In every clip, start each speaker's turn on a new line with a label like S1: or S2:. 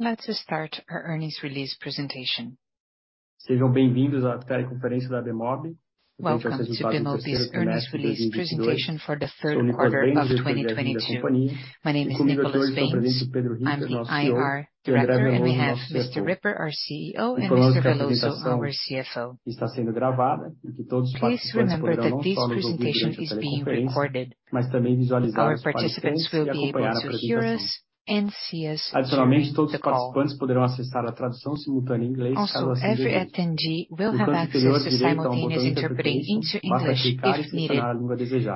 S1: Let's start our earnings release presentation. Welcome to Bemobi's earnings release presentation for the third quarter of 2022. My name is Nicholas Baines. I'm the IR Director, and we have Mr. Ripper, our CEO, and André Veloso, our CFO. Please remember that this meeting is being recorded. Our participants will be able to hear us and see us during the call. Also, every attendee will have access to simultaneous interpreting into English, if needed.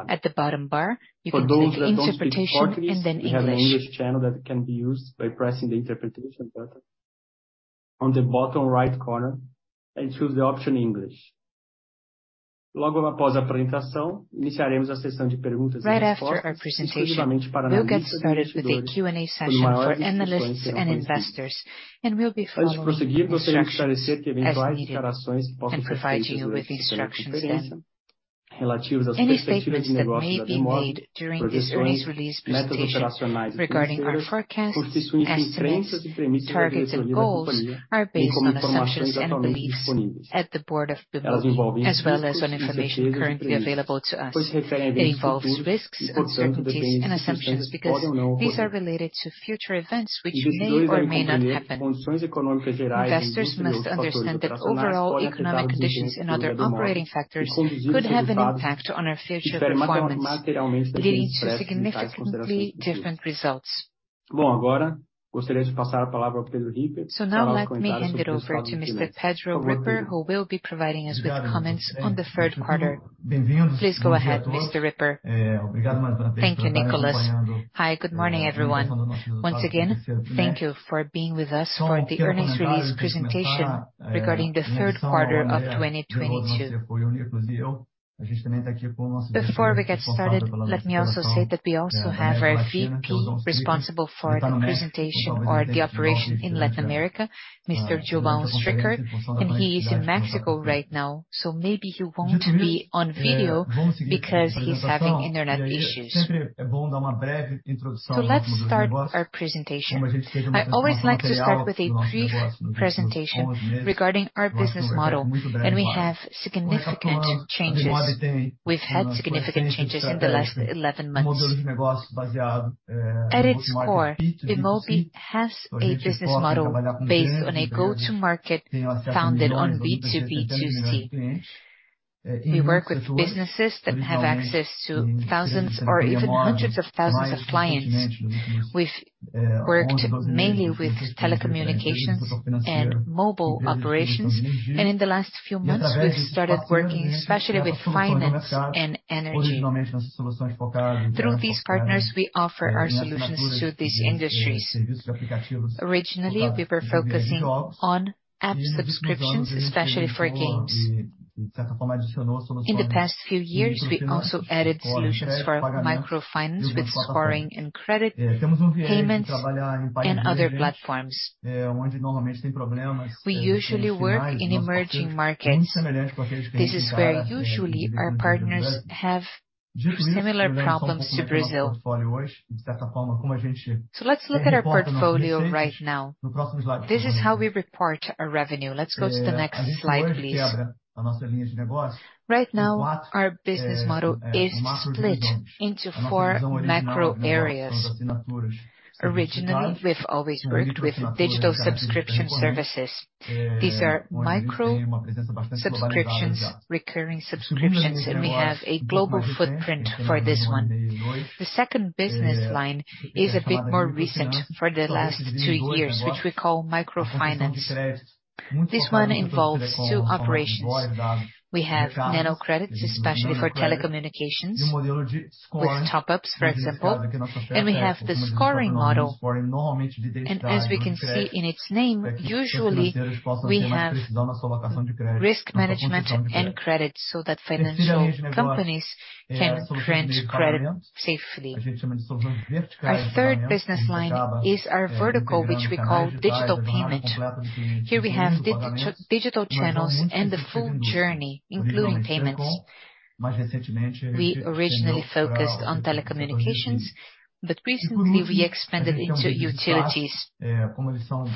S1: At the bottom bar, you can click Interpretation and then English. For those that don't speak Portuguese, we have an English channel that can be used by pressing the Interpretation button on the bottom right corner and choose the option English. Right after our presentation, we'll get started with a Q&A session for analysts and investors, and we'll be following instructions as needed and providing you with instructions then. Any statements that may be made during this earnings release presentation regarding our forecast, estimates, targets, and goals are based on assumptions and beliefs at the board of Bemobi, as well as on information currently available to us. It involves risks, uncertainties, and assumptions because these are related to future events which may or may not happen. Investors must understand that overall economic conditions and other operating factors could have an impact on our future performance, leading to significantly different results. Now let me hand it over to Mr. Pedro Ripper, who will be providing us with comments on the third quarter. Please go ahead, Mr. Ripper. Thank you, Nicholas. Hi, good morning, everyone. Once again, thank you for being with us for the earnings release presentation regarding the third quarter of 2022. Before we get started, let me also say that we also have our VP responsible for the presentation or the operation in Latin America, Mr. João Stricker, and he is in Mexico right now, so maybe he won't be on video because he's having internet issues. Let's start our presentation. I always like to start with a brief presentation regarding our business model, and we have significant changes. We've had significant changes in the last 11 months. At its core, Bemobi has a business model based on a go-to-market founded on B2B2C. We work with businesses that have access to thousands or even hundreds of thousands of clients. We've worked mainly with telecommunications and mobile operations, and in the last few months, we started working especially with finance and energy. Through these partners, we offer our solutions to these industries. Originally, we were focusing on app subscriptions, especially for games. In the past few years, we also added solutions for microfinance with scoring and credit, payments, and other platforms. We usually work in emerging markets. This is where usually our partners have similar problems to Brazil. Let's look at our portfolio right now. This is how we report our revenue. Let's go to the next slide, please. Right now, our business model is split into four macro areas. Originally, we've always worked with digital subscription services. These are micro subscriptions, recurring subscriptions, and we have a global footprint for this one. The second business line is a bit more recent for the last two years, which we call microfinance. This one involves two operations. We have Nano Credit, especially for telecommunications, with top-ups, for example, and we have the scoring model. As we can see in its name, usually we have risk management and credit so that financial companies can grant credit safely. Our third business line is our vertical, which we call digital payment. Here we have digital channels and the full journey, including payments. We originally focused on telecommunications, but recently we expanded into utilities.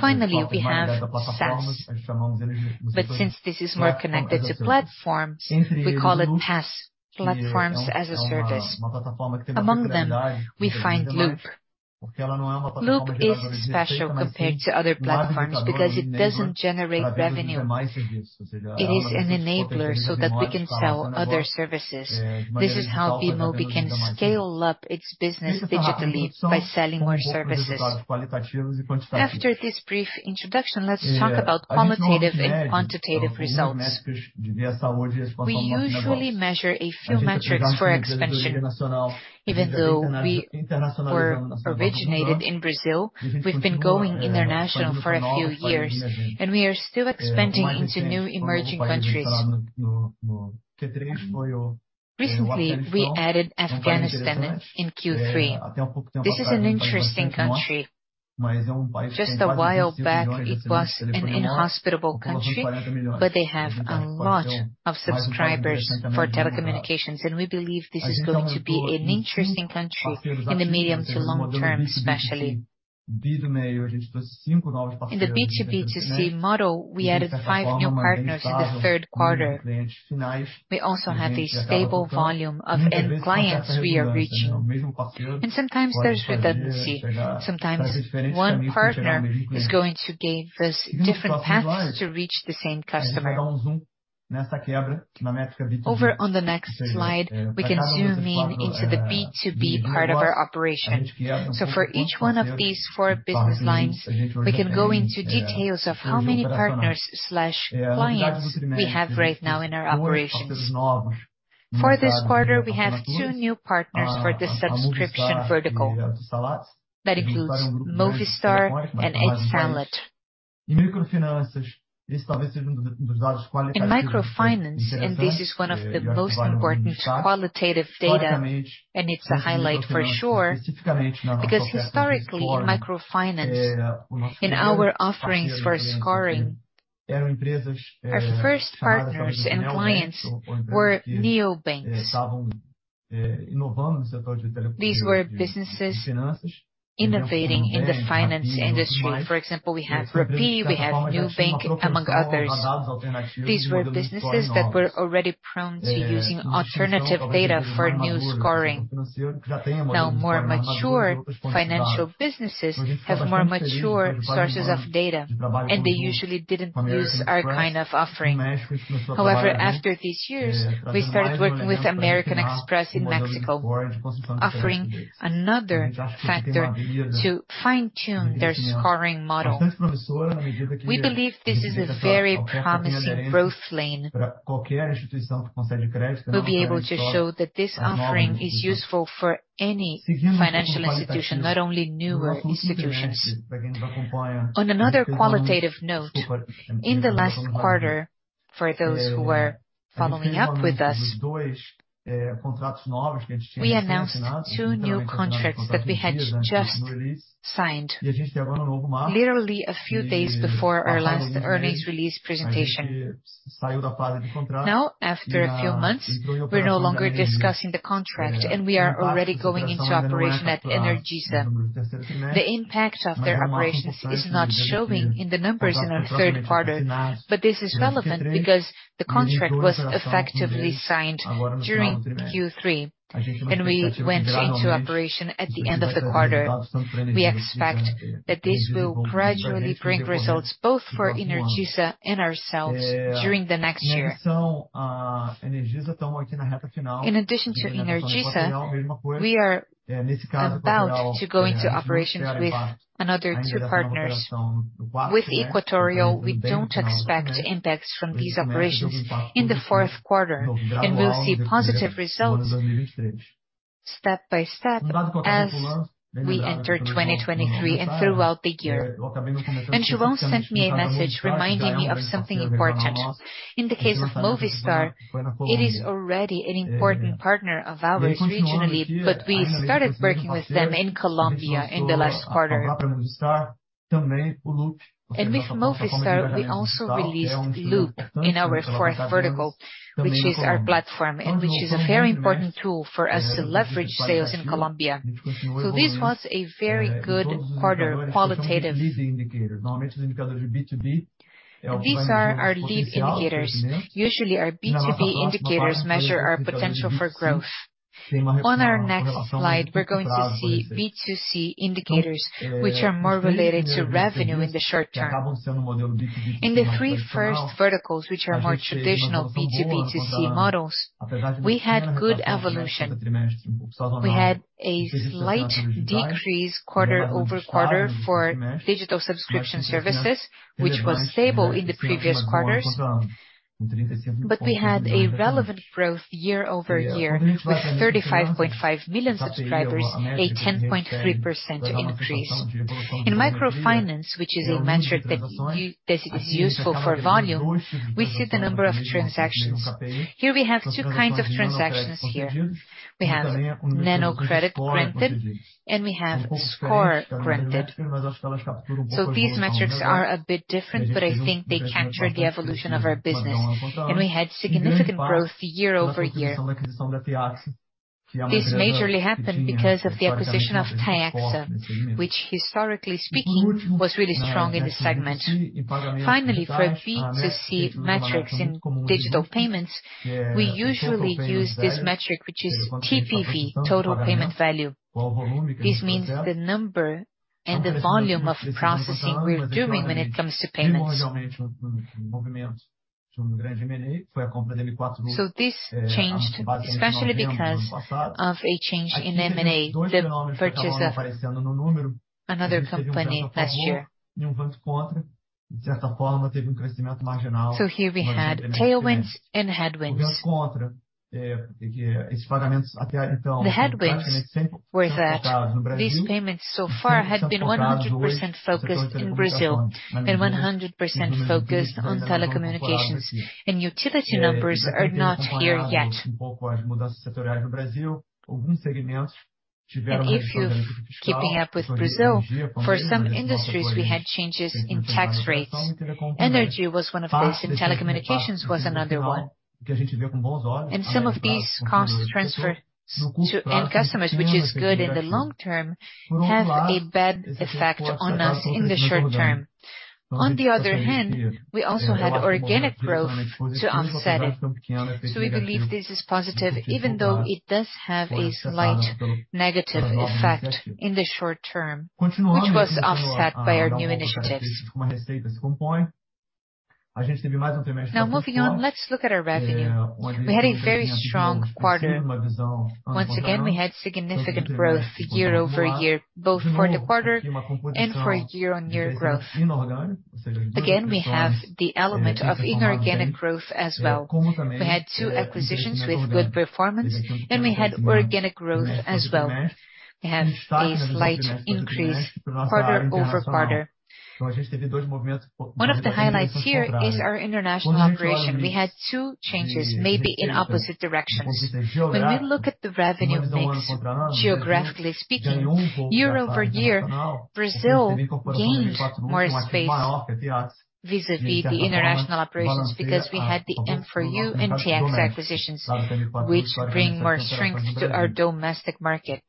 S1: Finally, we have SaaS. Since this is more connected to platforms, we call it PaaS, platforms as a service. Among them, we find Loop. Loop is special compared to other platforms because it doesn't generate revenue. It is an enabler so that we can sell other services. This is how Bemobi can scale up its business digitally by selling more services. After this brief introduction, let's talk about qualitative and quantitative results. We usually measure a few metrics for expansion. Even though we were originated in Brazil, we've been going international for a few years, and we are still expanding into new emerging countries. Recently, we added Afghanistan in Q3. This is an interesting country. Just a while back, it was an inhospitable country, but they have a lot of subscribers for telecommunications, and we believe this is going to be an interesting country in the medium to long term, especially B2B2C model, we added five new partners in the third quarter. We also have a stable volume of end clients we are reaching. Sometimes there's redundancy. Sometimes one partner is going to gain this different paths to reach the same customer. Over on the next slide, we can zoom in into the B2B part of our operation. For each one of these four business lines, we can go into details of how many partners/clients we have right now in our operations. For this quarter, we have two new partners for the subscription vertical. That includes Movistar and Etisalat. In microfinance, and this is one of the most important qualitative data, and it's a highlight for sure. Because historically, in microfinance, in our offerings for scoring, our first partners and clients were neobanks. These were businesses innovating in the finance industry. For example, we had Rappi, we had Nubank, among others. These were businesses that were already prone to using alternative data for new scoring. Now, more mature financial businesses have more mature sources of data, and they usually didn't use our kind of offering. However, after these years, we started working with American Express in Mexico, offering another factor to fine-tune their scoring model. We believe this is a very promising growth lane. We'll be able to show that this offering is useful for any financial institution, not only newer institutions. On another qualitative note, in the last quarter, for those who are following up with us, we announced two new contracts that we had just signed literally a few days before our last earnings release presentation. Now, after a few months, we're no longer discussing the contract, and we are already going into operation at Energisa. The impact of their operations is not showing in the numbers in our third quarter, but this is relevant because the contract was effectively signed during Q3, and we went into operation at the end of the quarter. We expect that this will gradually bring results both for Energisa and ourselves during the next year. In addition to Energisa, we are about to go into operations with another two partners. With Equatorial, we don't expect impacts from these operations in the fourth quarter, and we'll see positive results step by step as we enter 2023 and throughout the year. João sent me a message reminding me of something important. In the case of Movistar, it is already an important partner of ours regionally, but we started working with them in Colombia in the last quarter. With Movistar, we also released Loop in our fourth vertical, which is our platform, and which is a very important tool for us to leverage sales in Colombia. This was a very good quarter qualitatively. These are our lead indicators. Usually, our B2B indicators measure our potential for growth. On our next slide, we're going to see B2C indicators, which are more related to revenue in the short term. In the three first verticals, which are more traditional B2B2C models, we had good evolution. We had a slight decrease quarter-over-quarter for digital subscription services, which was stable in the previous quarters. We had a relevant growth year-over-year with 35.5 million subscribers, a 10.3% increase. In microfinance, which is a metric that it is useful for volume, we see the number of transactions. Here we have two kinds of transactions here. We have Nano Credit granted, and we have Score granted. So these metrics are a bit different, but I think they capture the evolution of our business, and we had significant growth year-over-year. This majorly happened because of the acquisition of Tiaxa, which historically speaking, was really strong in this segment. Finally, for our B2C metrics in digital payments, we usually use this metric, which is TPV, total payment value. This means the number and the volume of processing we're doing when it comes to payments. Here we had tailwinds and headwinds. The headwinds were that these payments so far had been 100% focused in Brazil and 100% focused on telecommunications, and utility numbers are not here yet. If you've been keeping up with Brazil, for some sectors, we had changes in tax rates. Energy was one of those, and telecommunications was another one. Some of these costs transfers to end customers, which is good in the long term, have a bad effect on us in the short term. On the other hand, we also had organic growth to offset it. We believe this is positive, even though it does have a slight negative effect in the short term, which was offset by our new initiatives. Now moving on, let's look at our revenue. We had a very strong quarter. Once again, we had significant growth year-over-year, both for the quarter and for year-on-year growth. Again, we have the element of inorganic growth as well. We had two acquisitions with good performance, and we had organic growth as well. We have a slight increase quarter-over-quarter. One of the highlights here is our international operation. We had two changes, maybe in opposite directions. When we look at the revenue mix, geographically speaking, year-over-year, Brazil gained more space vis-à-vis the international operations because we had the M4U and Tiaxa acquisitions, which bring more strength to our domestic market.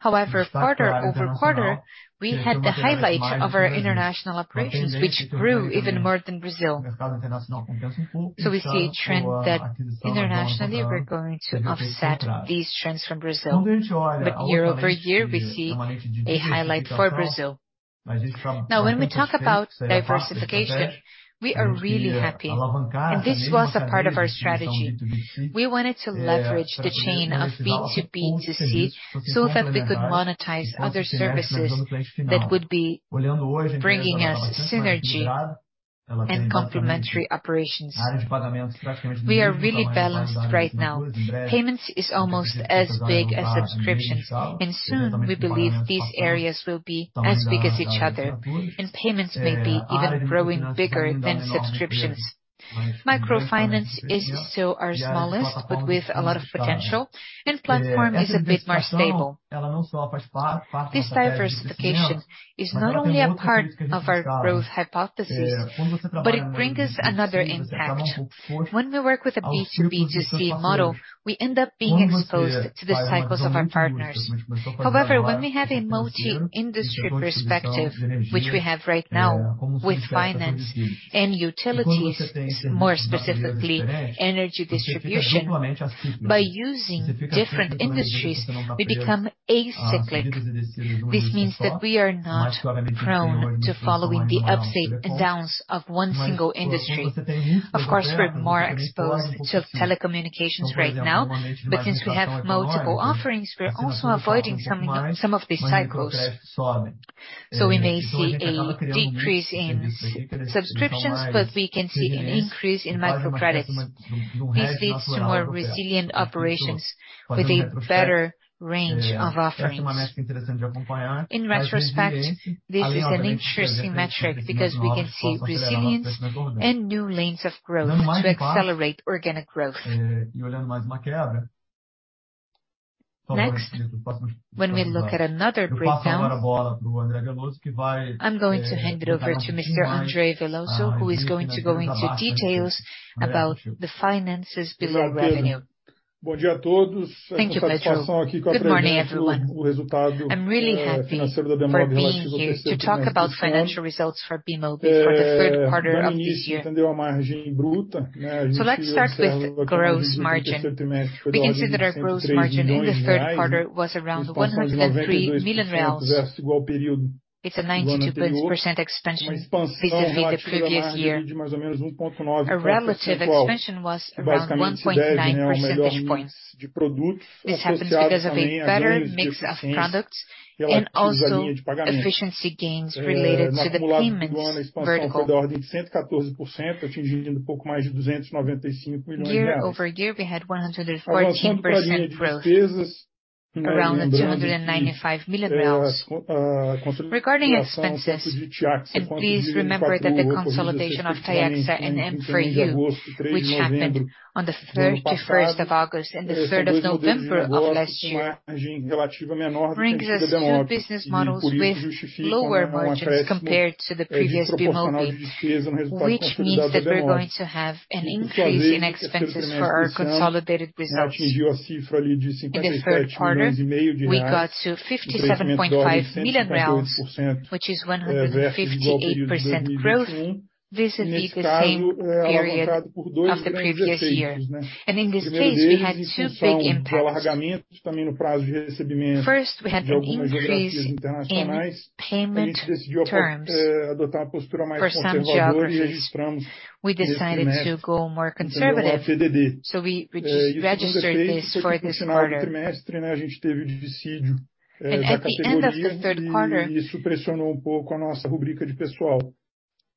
S1: However, quarter-over-quarter, we had the highlight of our international operations, which grew even more than Brazil. We see a trend that internationally we're going to offset these trends from Brazil. Year-over-year, we see a highlight for Brazil. Now when we talk about diversification, we are really happy, and this was a part of our strategy. We wanted to leverage the chain of B2B2C so that we could monetize other services that would be bringing us synergy and complementary operations. We are really balanced right now. Payments is almost as big as subscription, and soon we believe these areas will be as big as each other, and payments may be even growing bigger than subscriptions. Microfinance is still our smallest, but with a lot of potential, and platform is a bit more stable. This diversification is not only a part of our growth hypothesis, but it brings us another impact. When we work with a B2B2C model, we end up being exposed to the cycles of our partners. However, when we have a multi-industry perspective, which we have right now with finance and utilities, more specifically energy distribution, by using different industries, we become acyclic. This means that we are not prone to following the ups and downs of one single industry. Of course, we're more exposed to telecommunications right now, but since we have multiple offerings, we're also avoiding some of these cycles. We may see a decrease in subscriptions, but we can see an increase in microcredits. This leads to more resilient operations with a better range of offerings. In retrospect, this is an interesting metric because we can see resilience and new lanes of growth to accelerate organic growth. Next, when we look at another breakdown, I'm going to hand it over to Mr. André Veloso, who is going to go into details about the finances' revenue. Thank you, Pedro. Good morning, everyone. I'm really happy for being here to talk about financial results for Bemobi for the third quarter of this year. Let's start with gross margin. We can see that our gross margin in the third quarter was around 103 million reais. It's a 92% expansion vis-a-vis the previous year. Our relative expansion was around 1.9 percentage points. This happens because of a better mix of products and also efficiency gains related to the payments vertical. Year-over-year, we had 114% growth, around 295 million. Regarding expenses, and please remember that the consolidation of Tiaxa and M4U, which happened on the 31st of August and the 3rd of November of last year, brings two business models with lower margins compared to the previous Bemobi, which means that we're going to have an increase in expenses for our consolidated results. In the third quarter, we got to 57.5 million reais, which is 158% growth vis-a-vis the same period of the previous year. In this case, we had two big impacts. First, we had an increase in payment terms for some geographies. We decided to go more conservative, so we registered this for this quarter. At the end of the third quarter,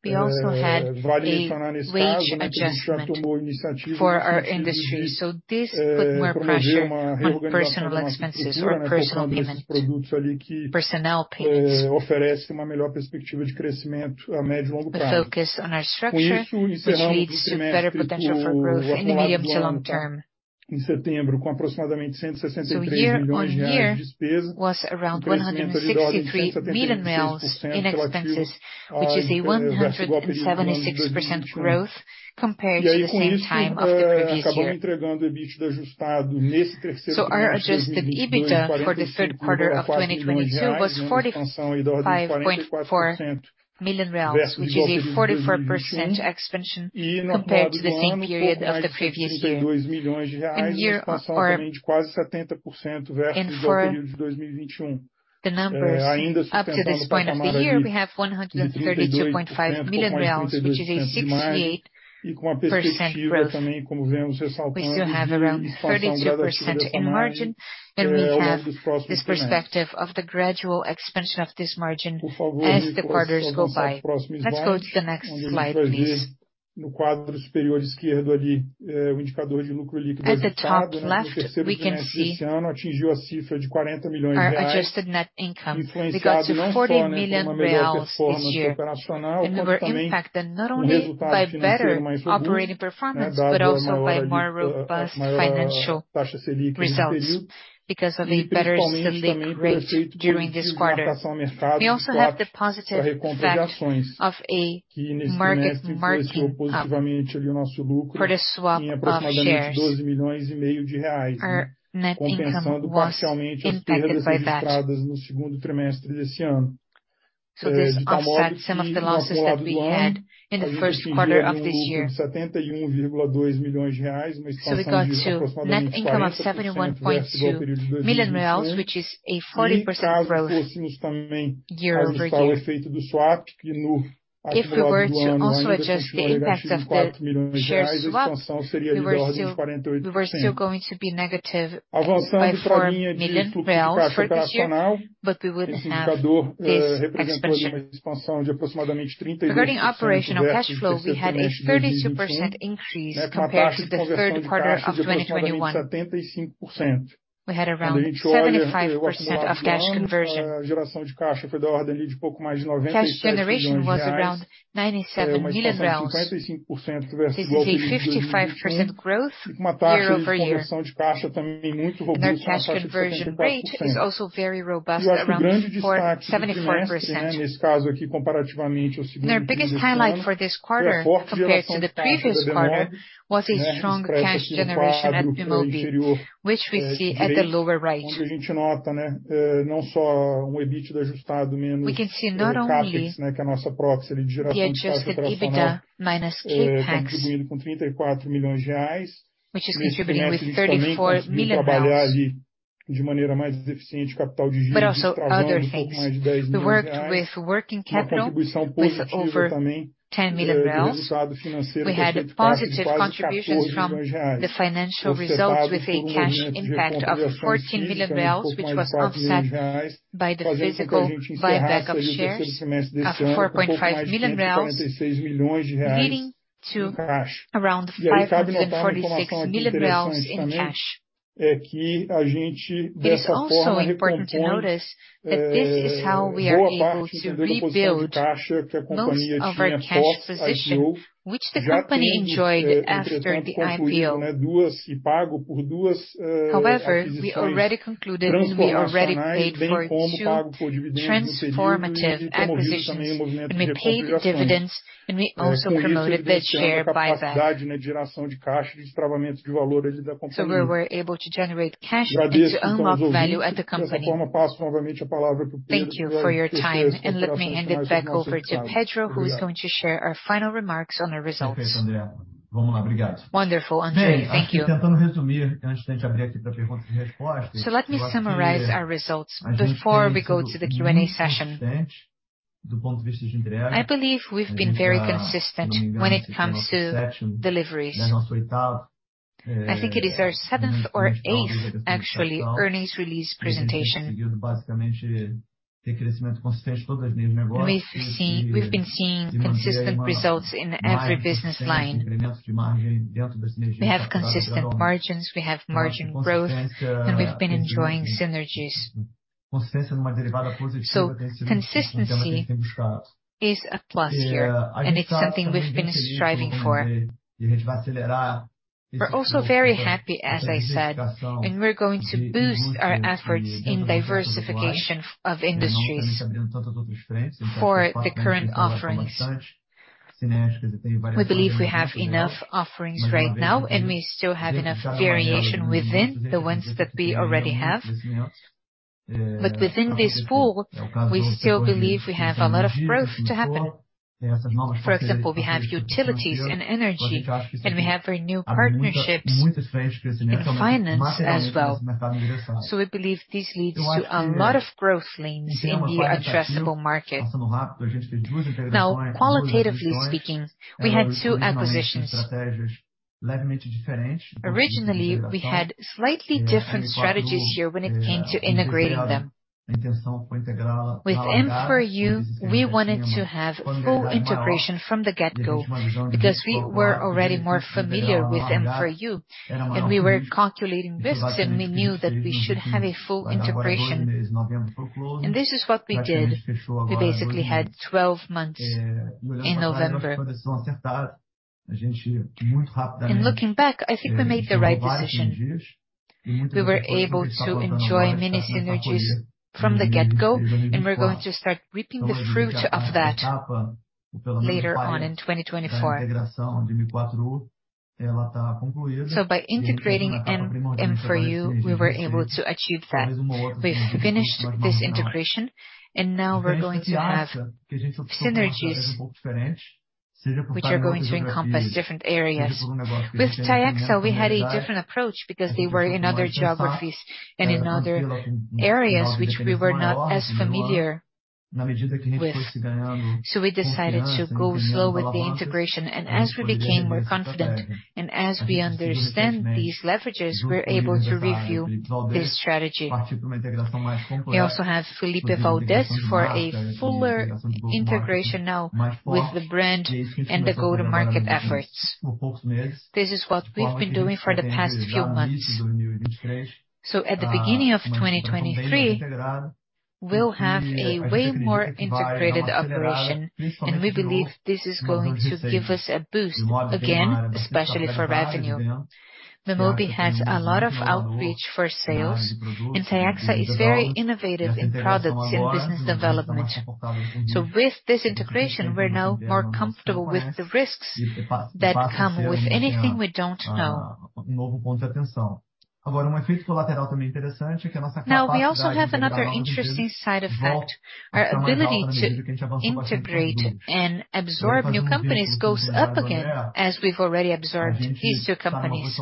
S1: we also had a wage adjustment for our industry. This put more pressure on personnel expenses or personnel payments. We focus on our structure, which leads to better potential for growth in the medium to long term.
S2: Em setembro, com aproximadamente R$ 163 milhões de despesa, um crescimento ali da ordem de 36% versus o período igual de 2021. Aí, com isso, acabamos entregando o EBITDA ajustado nesse terceiro trimestre de 2022, R$ 45.4 milhões, uma expansão aí da ordem de 44% versus o igual período de 2021. No quadro do ano, pouco pós IPO. Já temos entretanto concluído 2, e pago por 2 aquisições transformacionais, bem como pago por dividendos no período, e temos isso também em movimento de recompra de ações. Com isso, a gente vem esse ano com a capacidade de geração de caixa e destravamento de valor ali da companhia. Agradeço então aos ouvintes. Dessa forma, passo novamente a palavra pro Pedro, que vai tecer as considerações finais do nosso resultado. Obrigado.
S3: Perfeito, André. Vamos lá, obrigado. Bem, assim, tentando resumir antes da gente abrir aqui pra perguntas e respostas, eu acho que a gente tem sido muito consistente
S1: from the get-go, and we're going to start reaping the fruit of that later on in 2024. By integrating M4U, we were able to achieve that. We've finished this integration, and now we're going to have synergies which are going to encompass different areas. With Tiaxa, we had a different approach because they were in other geographies and in other areas which we were not as familiar with. We decided to go slow with the integration, and as we became more confident and as we understand these leverages, we're able to review this strategy. We also have Felipe Valdes for a fuller integration now with the brand and the go-to-market efforts. This is what we've been doing for the past few months. At the beginning of 2023, we'll have a way more integrated operation, and we believe this is going to give us a boost again, especially for revenue. Bemobi has a lot of outreach for sales, and Tiaxa is very innovative in products and business development. With this integration, we're now more comfortable with the risks that come with anything we don't know. Now, we also have another interesting side effect. Our ability to integrate and absorb new companies goes up again as we've already absorbed these two companies.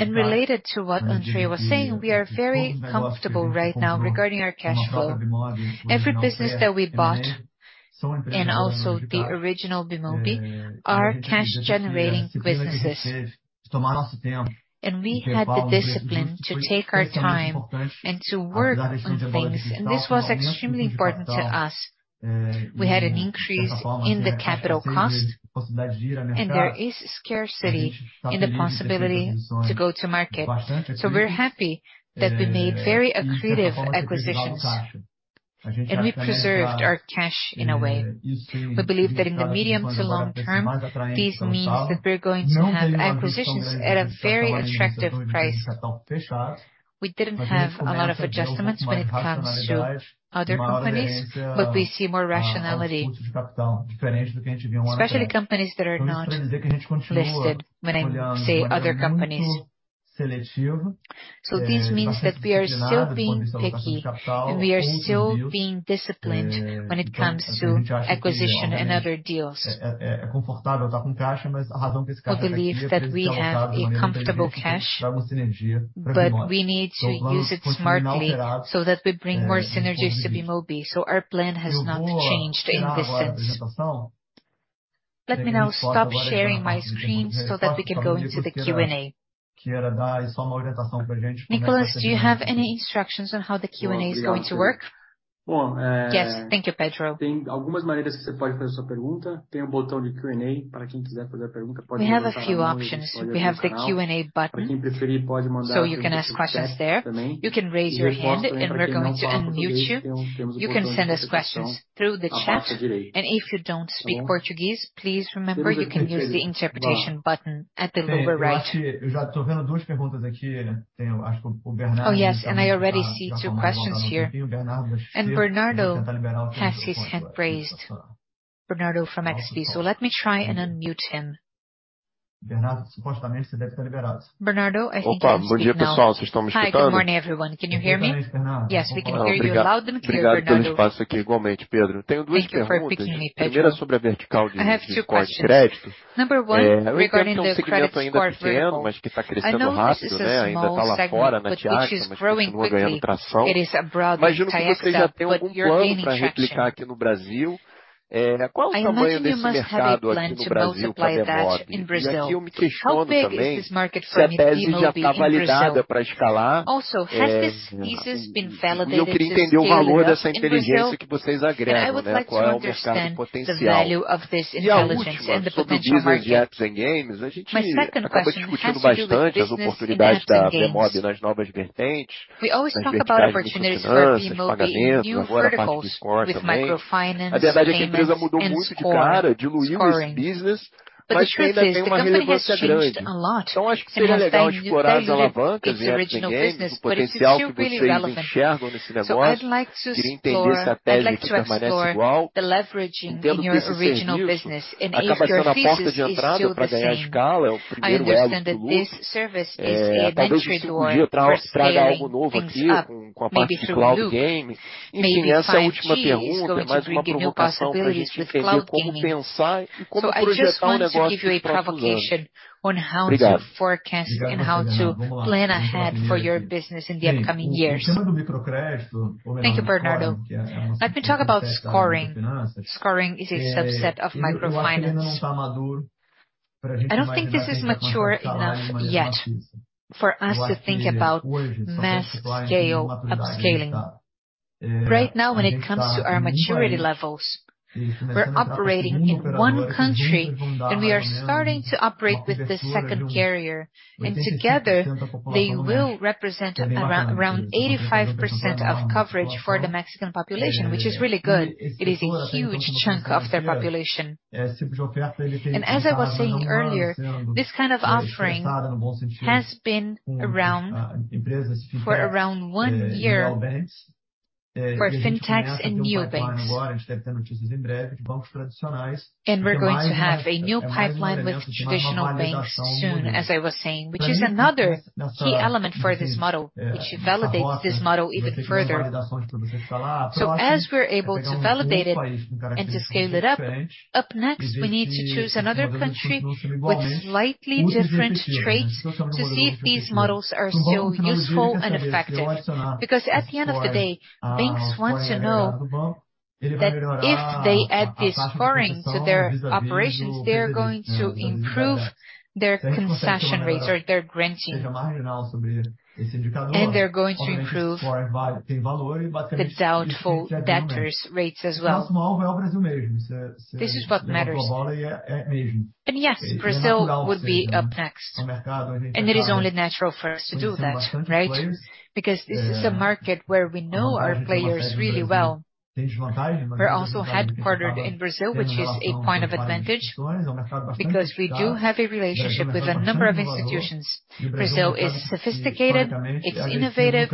S1: Related to what André was saying, we are very comfortable right now regarding our cash flow. Every business that we bought, and also the original Bemobi, are cash-generating businesses. We had the discipline to take our time and to work on things, and this was extremely important to us. We had an increase in the capital cost, and there is scarcity in the possibility to go to market. We're happy that we made very accretive acquisitions, and we preserved our cash in a way. We believe that in the medium to long term, this means that we're going to have acquisitions at a very attractive price. We didn't have a lot of adjustments when it comes to other companies, but we see more rationality, especially companies that are not listed when I say other companies. This means that we are still being picky, and we are still being disciplined when it comes to acquisition and other deals. We believe that we have a comfortable cash, but we need to use it smartly so that we bring more synergies to Bemobi. Our plan has not changed in this sense. Let me now stop sharing my screen so that we can go into the Q&A. Nicholas, do you have any instructions on how the Q&A is going to work? Yes. Thank you, Pedro. We have a few options. We have the Q&A button, so you can ask questions there. You can raise your hand, and we're going to unmute you. You can send us questions through the chat. If you don't speak Portuguese, please remember you can use the interpretation button at the lower right. Oh, yes, and I already see two questions here. Bernardo has his hand raised. Bernardo from XP, so let me try and unmute him. Bernardo, I think you can speak now.
S4: Opa. Good day, pessoal. Você estão me escutando?
S1: Hi, good morning, everyone. Can you hear me? Yes, we can hear you loud and clear, Bernardo.
S4: Obrigado pelo espaço aqui igualmente, Pedro.
S1: Thank you for picking me, Pedro. I have two questions. Number one, regarding the credit score vertical. I know that this is a small segment, but which is growing quickly. It is abroad in Tiaxa, but you're gaining traction. I imagine you must have a plan to multiply that in Brazil. How big is this market for new Bemobi in Brazil? Also, has this thesis been validated to scale enough in Brazil? I would like to understand the value of this intelligence and the potential market. My second question has to do with the business in apps and games. We always talk about opportunities for Bemobi in new verticals with microfinance, payments, and scoring. The truth is, the company has changed a lot and remains very rooted in its original business, but it's still really relevant. I'd like to explore the leverage in your original business. If your thesis is still the same, I understand that this service is the entry door for scaling things up, maybe through Loop, maybe 5G is going to bring new possibilities with cloud gaming. I just want to give you a provocation on how to forecast and how to plan ahead for your business in the upcoming years. Thank you, Bernardo. Let me talk about scoring. Scoring is a subset of microfinance. I don't think this is mature enough yet for us to think about mass scale upscaling. Right now when it comes to our maturity levels, we're operating in one country, and we are starting to operate with the second carrier. Together they will represent around 85% of coverage for the Mexican population, which is really good. It is a huge chunk of their population. As I was saying earlier, this kind of offering has been around for around one year for fintechs and neobanks. We're going to have a new pipeline with traditional banks soon, as I was saying, which is another key element for this model, which validates this model even further. as we're able to validate it and to scale it up next we need to choose another country with slightly different traits to see if these models are still useful and effective. Because at the end of the day, banks want to know that if they add this scoring to their operations, they are going to improve their concession rates or their granting. They're going to improve the doubtful debtors rates as well. This is what matters. Yes, Brazil would be up next, and it is only natural for us to do that, right? Because this is a market where we know our players really well. We're also headquartered in Brazil, which is a point of advantage because we do have a relationship with a number of institutions. Brazil is sophisticated, it's innovative,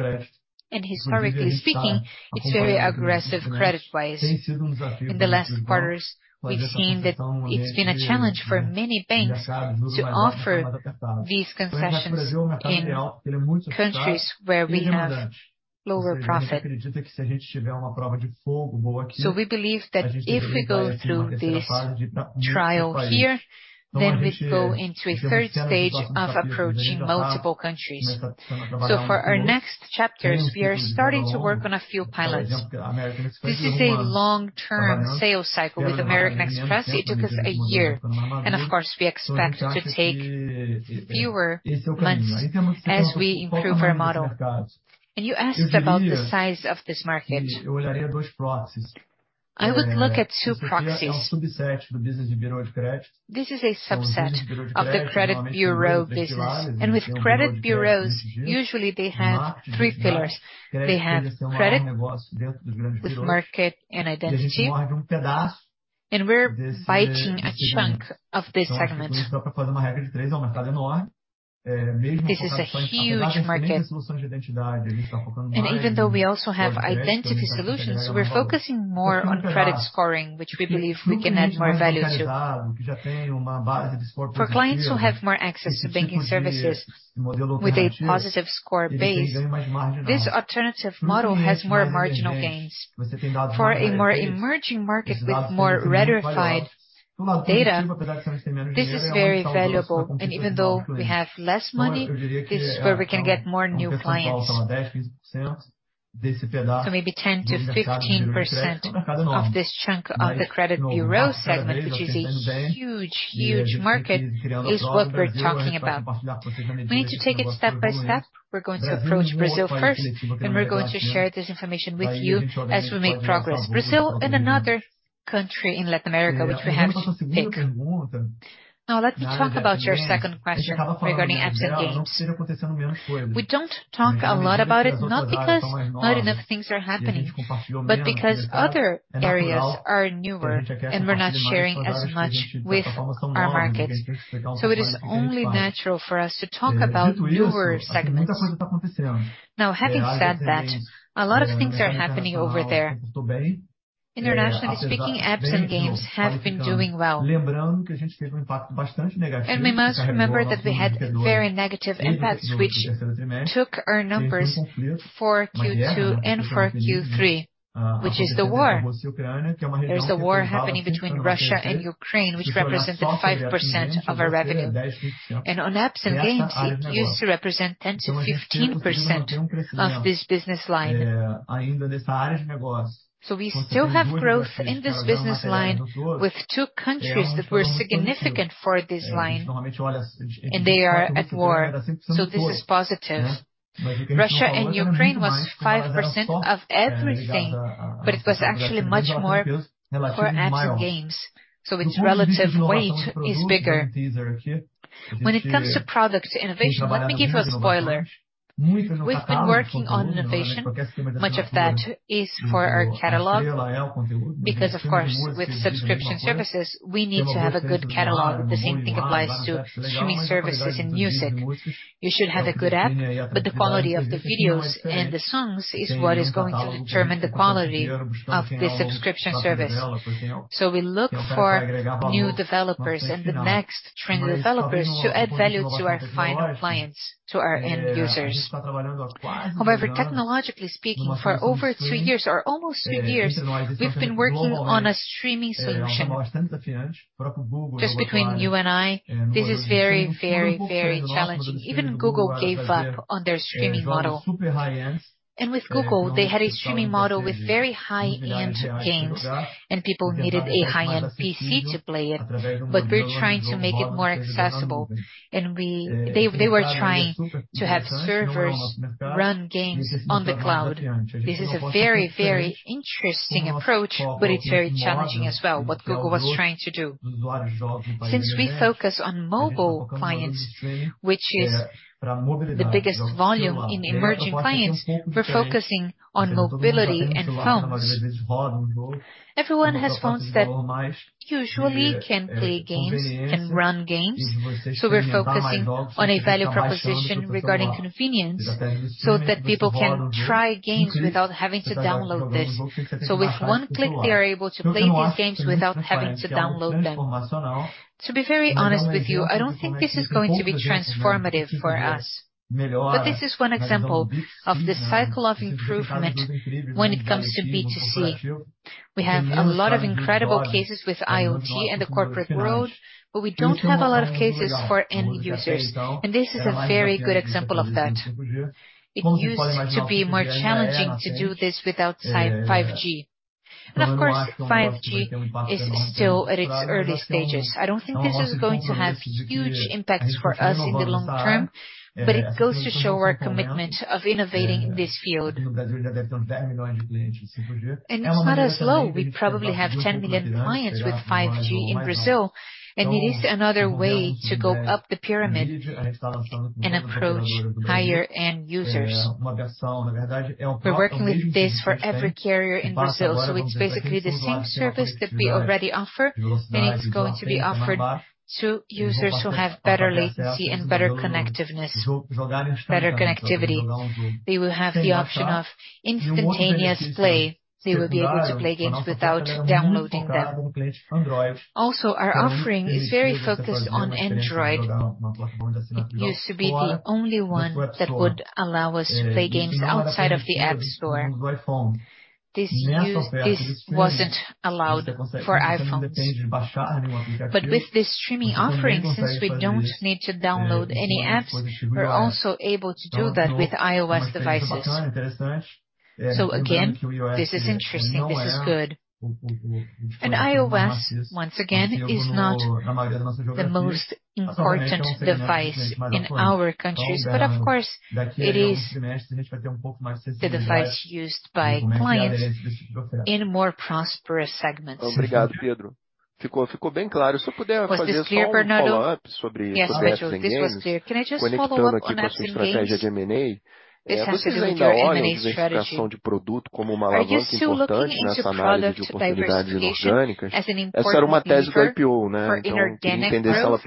S1: and historically speaking, it's very aggressive credit-wise. In the last quarters, we've seen that it's been a challenge for many banks to offer these concessions in countries where we have lower profit. We believe that if we go through this trial here, then we'd go into a third stage of approaching multiple countries. For our next chapters, we are starting to work on a few pilots. This is a long-term sales cycle. With American Express, it took us a year, and of course, we expect to take fewer months as we improve our model. You asked about the size of this market. I would look at two proxies. This is a subset of the credit bureau business. With credit bureaus, usually they have three pillars. They have credit with market and identity, and we're biting a chunk of this segment. This is a huge market. Even though we also have identity solutions, we're focusing more on credit scoring, which we believe we can add more value to. For clients who have more access to banking services with a positive score base, this alternative model has more marginal gains. For a more emerging market with more rarefied data, this is very valuable. Even though we have less money, this is where we can get more new clients. Maybe 10%-15% of this chunk of the credit bureau segment, which is a huge, huge market, is what we're talking about. We need to take it step by step. We're going to approach Brazil first, and we're going to share this information with you as we make progress. Brazil and another country in Latin America which we have to pick. Now let me talk about your second question regarding apps and games. We don't talk a lot about it, not because not enough things are happening, but because other areas are newer and we're not sharing as much with our market, so it is only natural for us to talk about newer segments. Now, having said that, a lot of things are happening over there. Internationally speaking, apps and games have been doing well. We must remember that we had very negative impacts which took our numbers for Q2 and for Q3, which is the war. There's a war happening between Russia and Ukraine, which represented 5% of our revenue. And on apps and games, it used to represent 10%-15% of this business line. We still have growth in this business line with two countries that were significant for this line, and they are at war, so this is positive. Russia and Ukraine was 5% of everything, but it was actually much more for apps and games, so its relative weight is bigger. When it comes to product innovation, let me give you a spoiler. We've been working on innovation. Much of that is for our catalog because, of course, with subscription services we need to have a good catalog. The same thing applies to streaming services in music. You should have a good app, but the quality of the videos and the songs is what is going to determine the quality of the subscription service. We look for new developers and the next trend developers to add value to our final clients, to our end users. However, technologically speaking, for over two years or almost two years, we've been working on a streaming solution. Just between you and I, this is very, very, very challenging. Even Google gave up on their streaming model. With Google, they had a streaming model with very high-end games, and people needed a high-end PC to play it. We're trying to make it more accessible, and They were trying to have servers run games on the cloud. This is a very, very interesting approach, but it's very challenging as well, what Google was trying to do. Since we focus on mobile clients, which is the biggest volume in emerging clients, we're focusing on mobility and phones. Everyone has phones that usually can play games and run games, so we're focusing on a value proposition regarding convenience so that people can try games without having to download this. With one click, they are able to play these games without having to download them. To be very honest with you, I don't think this is going to be transformative for us, but this is one example of the cycle of improvement when it comes to B2C. We have a lot of incredible cases with IoT and the corporate growth, but we don't have a lot of cases for end users, and this is a very good example of that. It used to be more challenging to do this without 5G. Of course, 5G is still at its early stages. I don't think this is going to have huge impacts for us in the long term, but it goes to show our commitment of innovating in this field. It's not as though we probably have 10 million clients with 5G in Brazil, and it is another way to go up the pyramid and approach higher-end users. We're working with this for every carrier in Brazil, so it's basically the same service that we already offer, and it's going to be offered to users who have better latency and better connectivity. They will have the option of instantaneous play. They will be able to play games without downloading them. Also, our offering is very focused on Android. It used to be the only one that would allow us to play games outside of the App Store. This wasn't allowed for iPhones. With this streaming offering, since we don't need to download any apps, we're also able to do that with iOS devices. Again, this is interesting. This is good. iOS, once again, is not the most important device in our countries, but of course it is the device used by clients in more prosperous segments. Was this clear, Bernardo? Yes, Pedro, this was clear. Can I just follow up on apps and games? This has to do with your M&A strategy. Are you still looking into product diversification as an important measure for inorganic growth?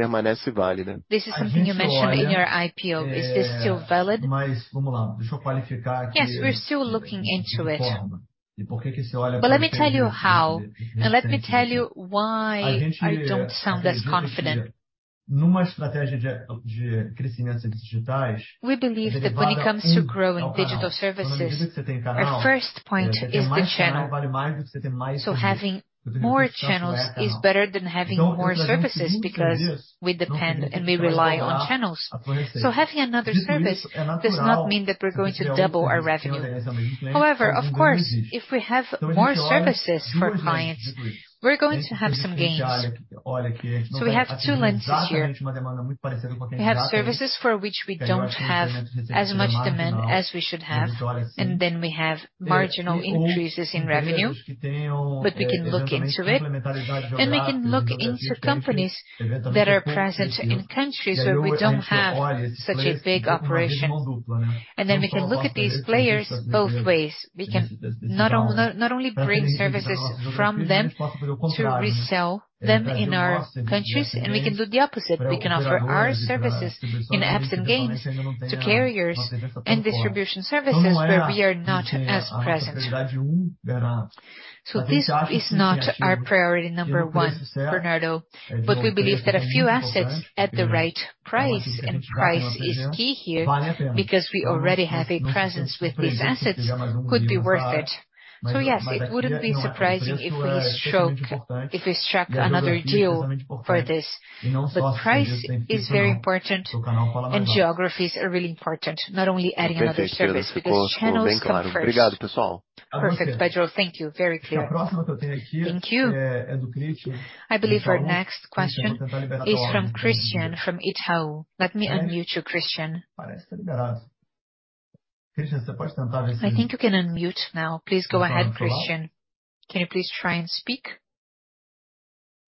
S1: This is something you mentioned in your IPO. Is this still valid? Yes, we're still looking into it. Let me tell you how, and let me tell you why I don't sound as confident. We believe that when it comes to growing digital services, our first point is the channel. Having more channels is better than having more services because we depend and we rely on channels. Having another service does not mean that we're going to double our revenue. However, of course, if we have more services for clients, we're going to have some gains. We have two lenses here. We have services for which we don't have as much demand as we should have, and then we have marginal increases in revenue. We can look into it, and we can look into companies that are present in countries where we don't have such a big operation. We can look at these players both ways. We can not only bring services from them to resell them in our countries, and we can do the opposite. We can offer our services in apps and games to carriers and distribution services where we are not as present. This is not our priority number one, Bernardo, but we believe that a few assets at the right price, and price is key here, because we already have a presence with these assets, could be worth it. Yes, it wouldn't be surprising if we struck another deal for this. Price is very important and geographies are really important, not only adding another service, because channels come first. Perfect, Pedro. Thank you. Very clear. Thank you. I believe our next question is from Christian from Itaú. Let me unmute you, Christian. I think you can unmute now. Please go ahead, Christian. Can you please try and speak?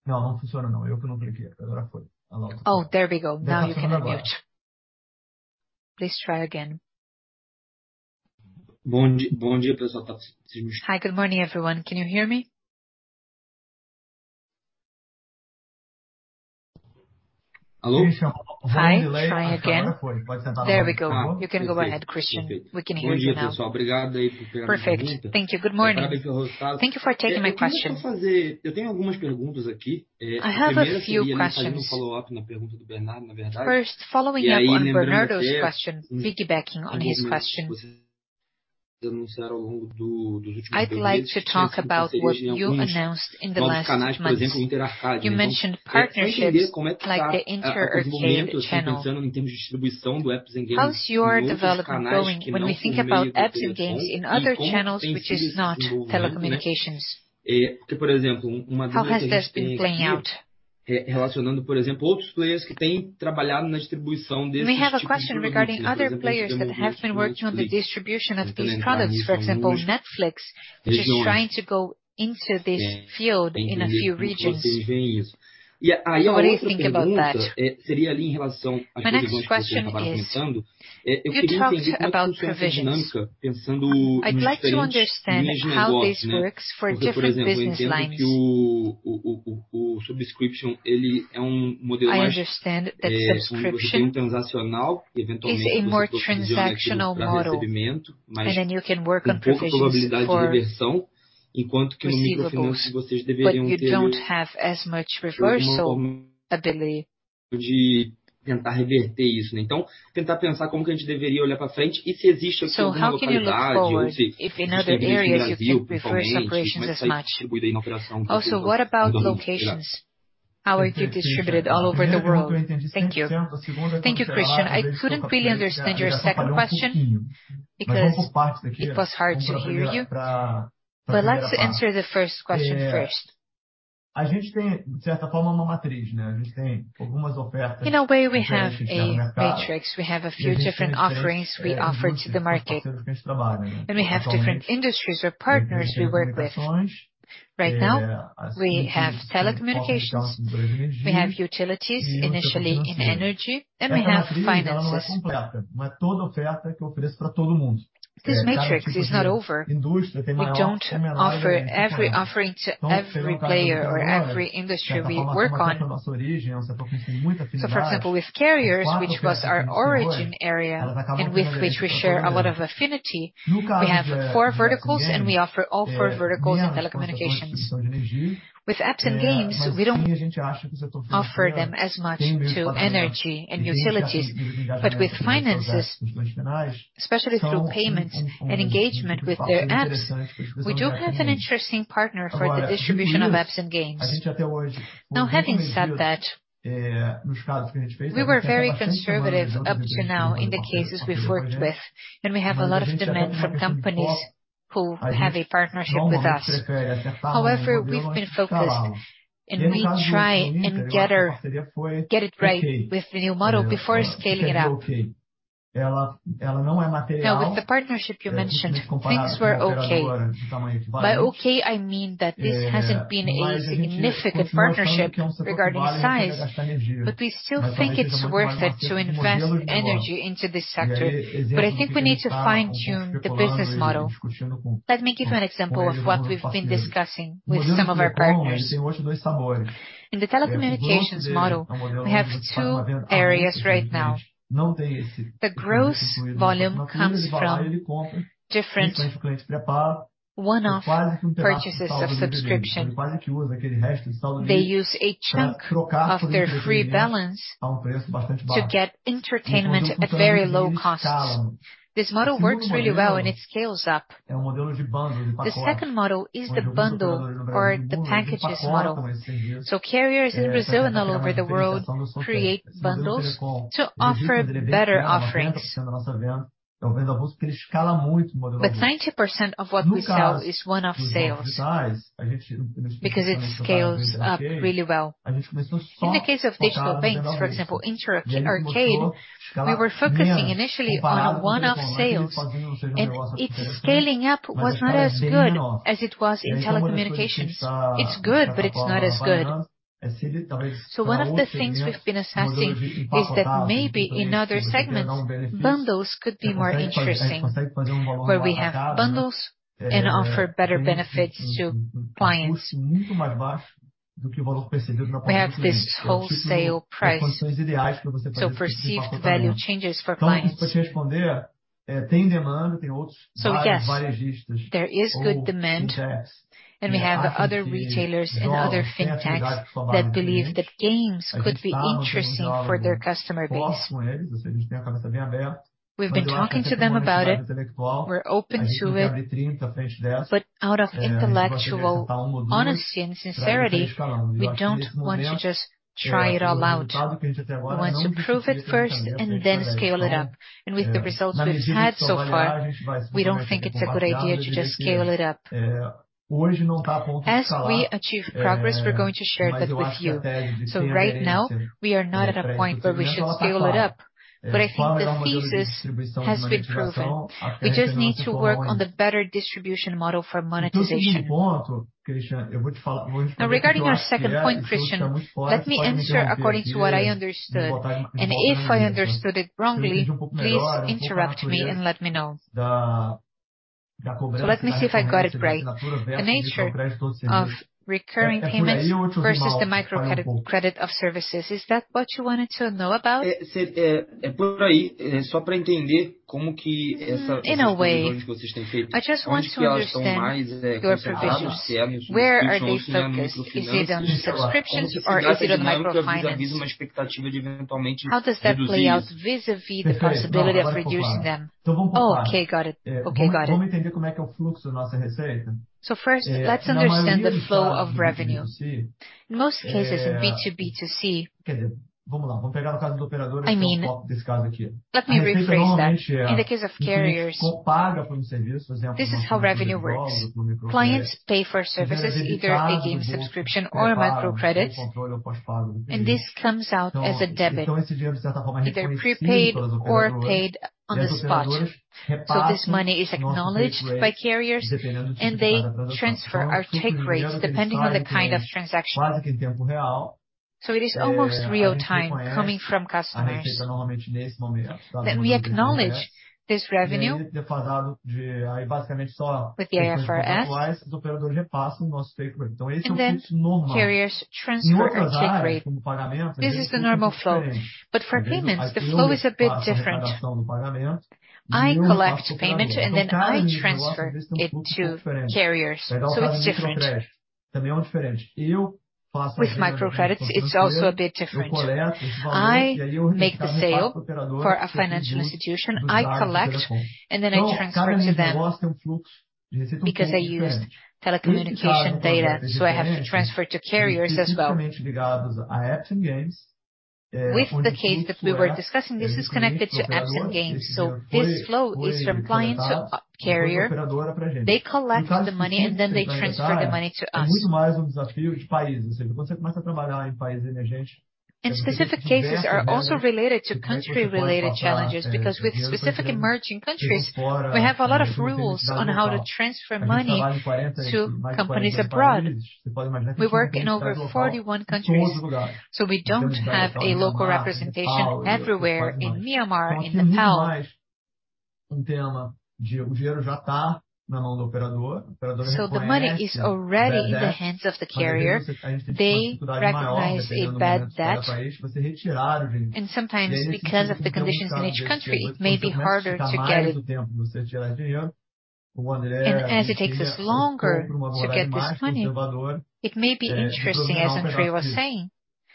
S1: No, not this one. No. Oh, there we go. Now you can unmute. Please try again.
S5: Bom dia, pessoal.
S1: Hi. Good morning, everyone. Can you hear me?
S5: Alô?
S1: Hi. Try again. There we go. You can go ahead, Christian. We can hear you now. Perfect. Thank you. Good morning. Thank you for taking my question. I have a few questions. First, following up on Bernardo's question. I'd like to talk about what you announced in the last months. You mentioned partnerships like the Inter Arcade channel. How's your development going when we think about apps and games in other channels which is not telecommunications? How has this been playing out? I have a question regarding other players that have been working on the distribution of these products. For example, Netflix, which is trying to go into this field in a few regions. What do you think about that? My next question is, you talked about provisions. I'd like to understand how this works for different business lines. I understand that subscription is a more transactional model, and then you can work on provisions for receivables. You don't have as much reversal ability. How can you look forward if in other areas you can reverse provisions as much? Also, what about locations? How are you distributed all over the world? Thank you. Thank you, Christian. I couldn't really understand your first question because it was hard to hear you. I'd like to answer the first question first. In a way, we have a matrix. We have a few different offerings we offer to the market. We have different industries or partners we work with. Right now, we have telecommunications. We have utilities, initially in energy, and we have finances. This matrix is not over. We don't offer every offering to every player or every industry we work on. For example, with carriers, which was our origin area and with which we share a lot of affinity, we have four verticals, and we offer all four verticals in telecommunications. With apps and games, we don't offer them as much to energy and utilities. With finances, especially through payments and engagement with their apps, we do have an interesting partner for the distribution of apps and games. Now, having said that, we were very conservative up to now in the cases we've worked with, and we have a lot of demand from companies who have a partnership with us. However, we've been focused, and we try and get it right with the new model before scaling it up. Now, with the partnership you mentioned, things were okay. By okay, I mean that this hasn't been a significant partnership regarding size, but we still think it's worth it to invest energy into this sector. I think we need to fine-tune the business model. Let me give you an example of what we've been discussing with some of our partners. In the telecommunications model, we have two areas right now. The gross volume comes from different one-off purchases of subscription. They use a chunk of their free balance to get entertainment at very low costs. This model works really well when it scales up. The second model is the bundle or the packages model. Carriers in Brazil and all over the world create bundles to offer better offerings. 90% of what we sell is one-off sales because it scales up really well. In the case of digital banks, for example, Inter Arcade, we were focusing initially on one-off sales, and its scaling up was not as good as it was in telecommunications. It's good, but it's not as good. One of the things we've been assessing is that maybe in other segments, bundles could be more interesting, where we have bundles and offer better benefits to clients. We have this wholesale price, so perceived value changes for clients. Yes, there is good demand, and we have the other retailers and other fintechs that believe that games could be interesting for their customer base. We've been talking to them about it. We're open to it. But out of intellectual honesty and sincerity, we don't want to just try it all out. We want to prove it first and then scale it up. With the results we've had so far, we don't think it's a good idea to just scale it up. As we achieve progress, we're going to share that with you. Right now, we are not at a point where we should scale it up, but I think the thesis has been proven. We just need to work on the better distribution model for monetization. Now, regarding our second point, Christian, let me answer according to what I understood. If I understood it wrongly, please interrupt me and let me know. Let me see if I got it right. The nature of recurring payments versus the microcredit, credit of services. Is that what you wanted to know about? In a way. I just want to understand your provisions. Where are they focused? Is it on subscriptions or is it on microfinance? How does that play out vis-a-vis the possibility of reducing them? Oh, okay. Got it. First, let's understand the flow of revenue. In most cases in B2B2C- I mean, let me rephrase that. In the case of carriers, this is how revenue works. Clients pay for services, either a game subscription or a microcredit, and this comes out as a debit, either prepaid or paid on the spot. This money is acknowledged by carriers, and they transfer our take rates depending on the kind of transaction. It is almost real-time coming from customers that we acknowledge this revenue with the IFRS. Then carriers transfer our take rate. This is the normal flow. For payments, the flow is a bit different. I collect the payment, and then I transfer it to carriers, so it's different. With microcredits, it's also a bit different. I make the sale for a financial institution, I collect, and then I transfer to them. Because I used telecommunication data, so I have to transfer to carriers as well. With the case that we were discussing, this is connected to apps and games. This flow is from client to carrier. They collect the money and then they transfer the money to us. Specific cases are also related to country-related challenges. Because with specific emerging countries, we have a lot of rules on how to transfer money to companies abroad. We work in over 41 countries, so we don't have a local representation everywhere. In Myanmar, in Nepal. The money is already in the hands of the carrier. They recognize a bad debt. Sometimes because of the conditions in each country, it may be harder to get it. As it takes us longer to get this money, it may be interesting, as André was saying,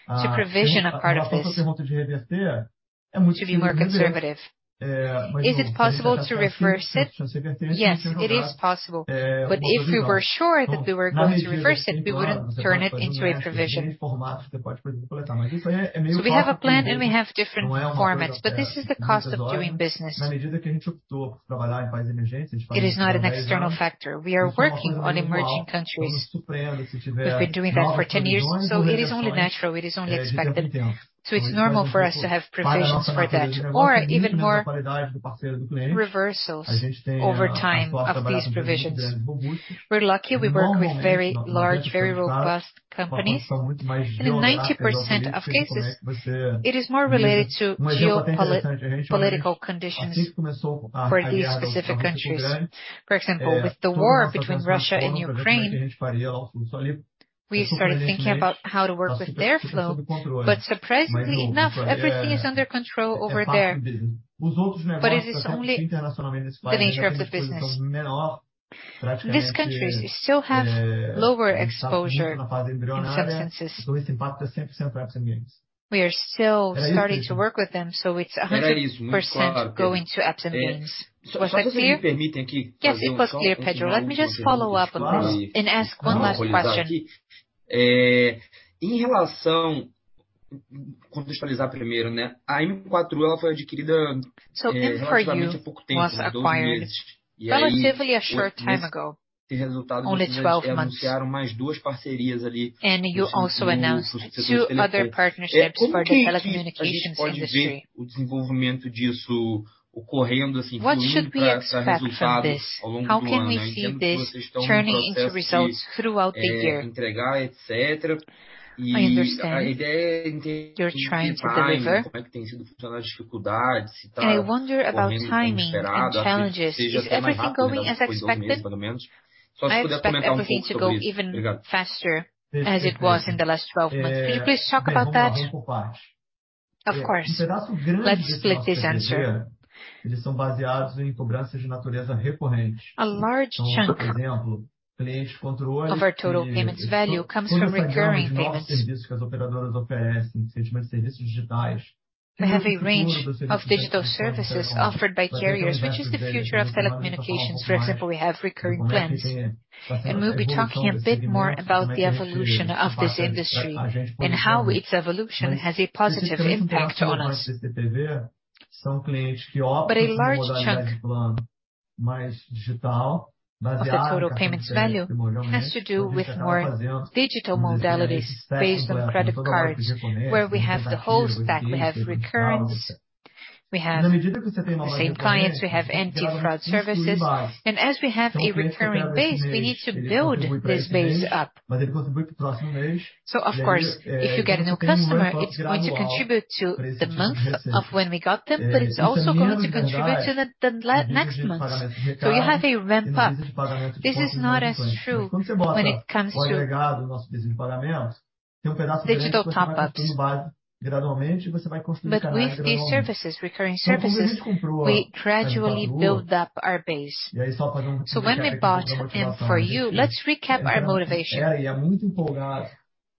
S1: to provision a part of this to be more conservative. Is it possible to reverse it? Yes, it is possible. If we were sure that we were going to reverse it, we wouldn't turn it into a provision. We have a plan and we have different formats, but this is the cost of doing business. It is not an external factor. We are working on emerging countries. We've been doing that for 10 years, and it is only natural, it is only expected. It's normal for us to have provisions for that or even more reversals over time of these provisions. We're lucky we work with very large, very robust companies. In 90% of cases, it is more related to geopolitical conditions for these specific countries. For example, with the war between Russia and Ukraine, we started thinking about how to work with cash flow. Surprisingly enough, everything is under control over there. It's only the nature of the business. These countries still have lower exposure in a sense. We are still starting to work with them, so it's 100% going to apps and games. Was that clear? Yes, it was clear, Pedro. Let me just follow up on this and ask one last question. M4U was acquired relatively a short time ago, only 12 months. You also announced two other partnerships for the telecommunications industry. What should we expect from this? How can we see this turning into results throughout the year? I understand you're trying to deliver. I wonder about timing and challenges. Is everything going as expected? I expect everything to go even faster as it was in the last 12 months. Can you please talk about that? Of course. Let's split this answer. A large chunk of our total payments value comes from recurring payments. There is a range of digital services offered by carriers, which is the future of telecommunications. For example, we have recurring plans. We'll be talking a bit more about the evolution of this industry and how its evolution has a positive impact on us. A large chunk of the total payments value has to do with more digital modalities based on credit cards, where we have the whole stack. We have recurrence. We have the same clients, we have anti-fraud services. As we have a recurring base, we need to build this base up. Of course, if you get a new customer, it's going to contribute to the month of when we got them, but it's also going to contribute to the next month. You have a ramp up. This is not as true when it comes to digital top-ups. With these services, recurring services, we gradually build up our base. When we bought M4U, let's recap our motivation.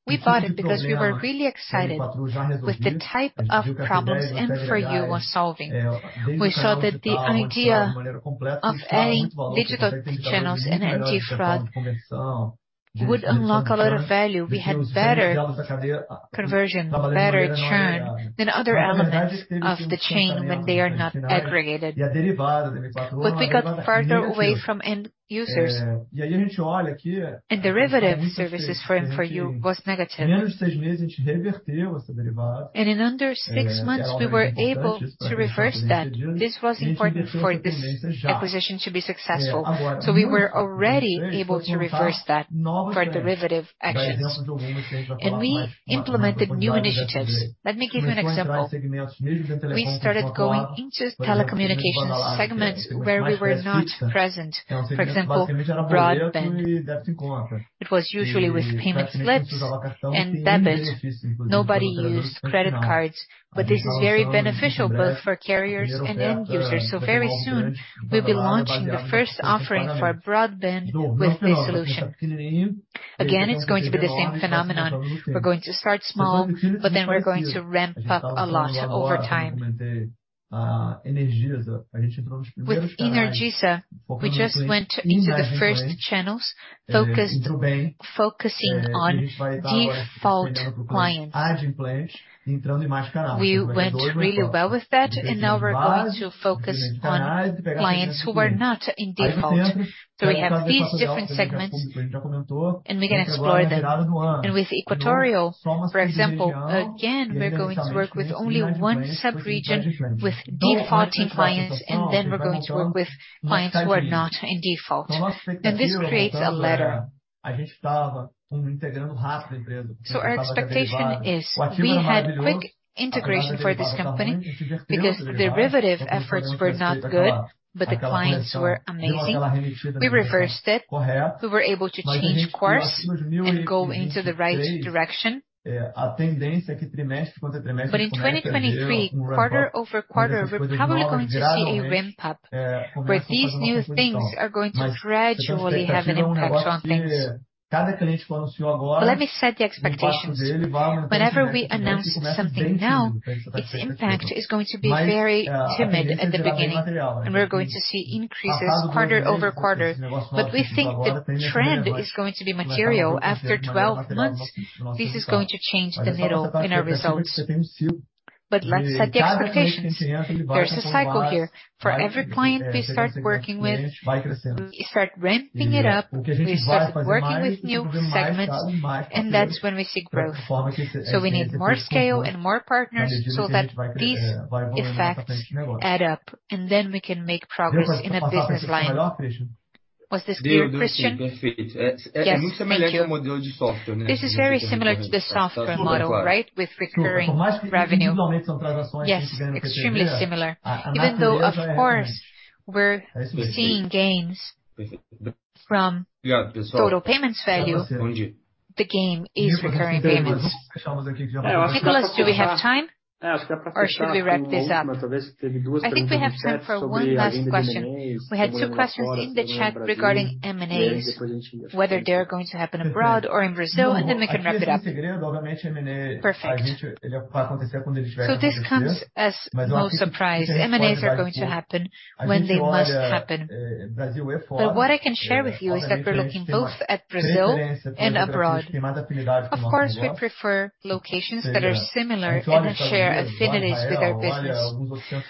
S1: We bought it because we were really excited with the type of problems M4U we're solving. We saw that the idea of adding digital channels and anti-fraud would unlock a lot of value. We had better conversion, better churn than other elements of the chain when they are not aggregated. We got farther away from end users. Derivative services for M4U was negative. In under six months, we were able to reverse that. This was important for this acquisition to be successful. We were already able to reverse that for derivative actions. We implemented new initiatives. Let me give you an example. We started going into telecommunications segments where we were not present, for example, broadband. It was usually with payment slips and debit. Nobody used credit cards, but this is very beneficial both for carriers and end users. Very soon we'll be launching the first offering for broadband with this solution. Again, it's going to be the same phenomenon. We're going to start small, but then we're going to ramp up a lot over time. With Energisa, we just went into the first channels focusing on default clients. We went really well with that, and now we're going to focus on clients who are not in default. We have these different segments, and we're gonna explore them. With Equatorial, for example, again, we're going to work with only one sub-region with defaulting clients, and then we're going to work with clients who are not in default. This creates a ladder. Our expectation is we had quick integration for this company because derivative efforts were not good, but the clients were amazing. We reversed it. We were able to change course and go into the right direction. In 2023, quarter-over-quarter, we're probably going to see a ramp-up, where these new things are going to gradually have an impact on things. Let me set the expectations. Whenever we announce something new, its impact is going to be very timid at the beginning, and we're going to see increases quarter-over-quarter. We think the trend is going to be material. After 12 months, this is going to change the needle in our results. Let's set the expectations. There's a cycle here. For every client we start working with, we start ramping it up, we start working with new segments, and that's when we see growth. We need more scale and more partners so that these effects add up, and then we can make progress in a business line. Was this clear, Christian? Yes. Thank you. This is very similar to the software model, right? With recurring revenue. Yes, extremely similar. Even though, of course, we're seeing gains from total payments value, the gain is recurring payments. Nicholas, do we have time, or should we wrap this up? I think we have time for one last question. We had two questions in the chat regarding M&As, whether they're going to happen abroad or in Brazil, and then we can wrap it up. Perfect. This comes as no surprise. M&As are going to happen when they must happen. What I can share with you is that we're looking both at Brazil and abroad. Of course, we prefer locations that are similar and share affinities with our business.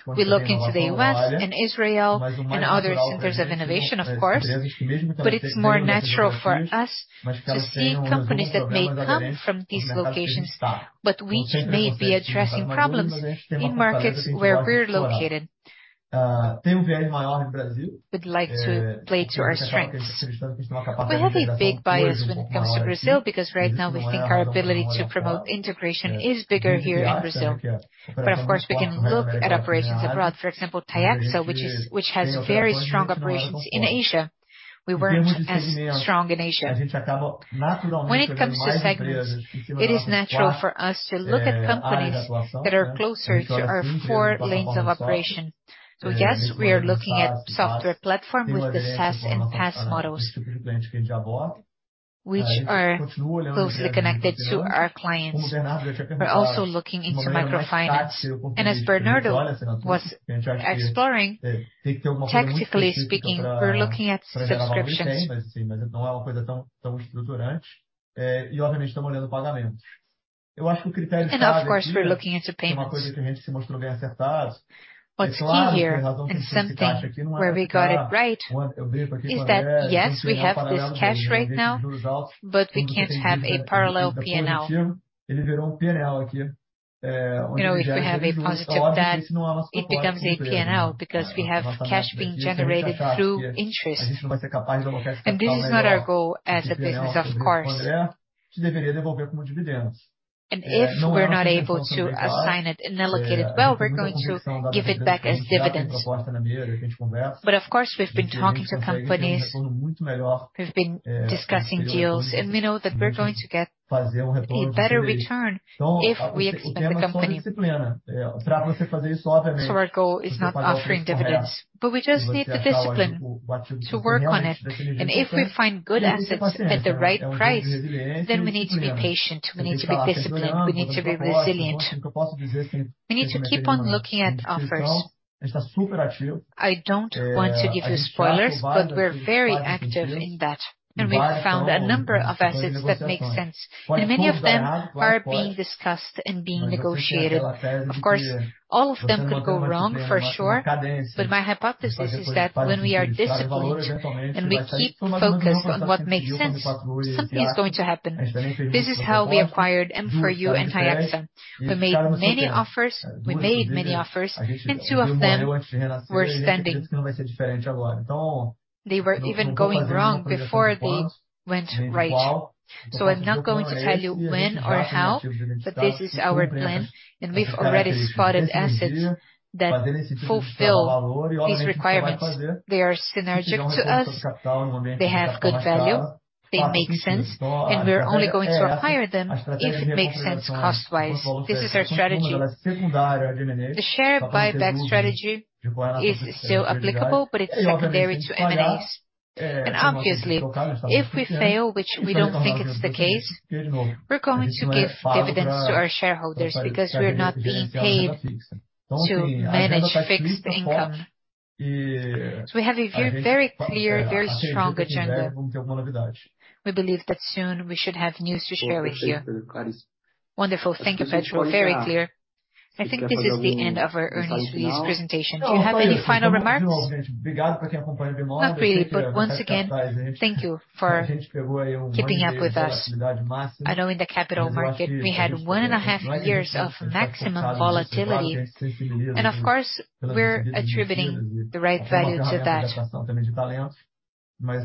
S1: We look into the U.S. and Israel and other centers of innovation, of course. It's more natural for us to see companies that may come from these locations, but we may be addressing problems in markets where we're located. We'd like to play to our strengths. We have a big bias when it comes to Brazil, because right now we think our ability to promote integration is bigger here in Brazil. Of course, we can look at operations abroad. For example, Tiaxa, which has very strong operations in Asia. We weren't as strong in Asia. When it comes to segments, it is natural for us to look at companies that are closer to our four lanes of operation. Yes, we are looking at software platform with the SaaS and PaaS models, which are closely connected to our clients. We're also looking into microfinance. As Bernardo was exploring, tactically speaking, we're looking at subscriptions. Of course, we're looking into payments. What's key here, and something where we got it right, is that yes, we have this cash right now, but we can't have a parallel P&L. You know, if we have a positive debt, it becomes a P&L because we have cash being generated through interest. This is not our goal as a business, of course. If we're not able to assign it and allocate it, well, we're going to give it back as dividends. Of course, we've been talking to companies, we've been discussing deals, and we know that we're going to get a better return if we expand the company. Our goal is not offering dividends, but we just need the discipline to work on it. If we find good assets at the right price, then we need to be patient, we need to be disciplined, we need to be resilient. We need to keep on looking at offers. I don't want to give you spoilers, but we're very active in that, and we've found a number of assets that make sense, and many of them are being discussed and being negotiated. Of course, all of them could go wrong, for sure. My hypothesis is that when we are disciplined and we keep focused on what makes sense, something is going to happen. This is how we acquired M4U and Tiaxa. We made many offers, and two of them were standing. They were even going wrong before they went right. I'm not going to tell you when or how, but this is our plan, and we've already spotted assets that fulfill these requirements. They are synergistic to us. They have good value, they make sense, and we're only going to acquire them if it makes sense cost-wise. This is our strategy. The share buyback strategy is still applicable, but it's secondary to M&As. Obviously, if we fail, which we don't think it's the case, we're going to give dividends to our shareholders because we're not being paid to manage fixed income. We have a very clear, very strong agenda. We believe that soon we should have news to share with you. Wonderful. Thank you, Pedro. Very clear. I think this is the end of our earnings release presentation. Do you have any final remarks? Not really. Once again, thank you for keeping up with us. I know in the capital market we had 1.5 years of maximum volatility, and of course we're attributing the right value to that.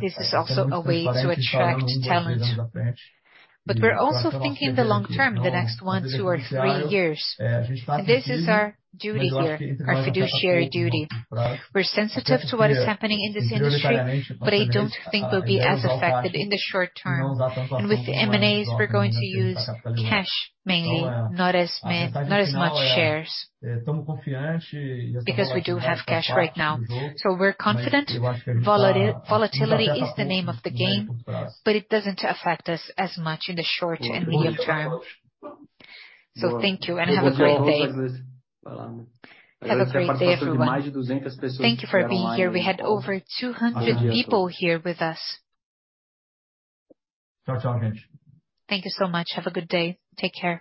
S1: This is also a way to attract talent. We're also thinking the long term, the next one, two or three years. This is our duty here, our fiduciary duty. We're sensitive to what is happening in this industry, but I don't think we'll be as affected in the short term. With M&As, we're going to use cash mainly, not as much shares, because we do have cash right now. We're confident volatility is the name of the game, but it doesn't affect us as much in the short and medium term. Thank you and have a great day. Have a great day, everyone. Thank you for being here. We had over 200 people here with us. Thank you so much. Have a good day. Take care.